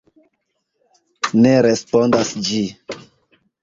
Ne respondas ĝi.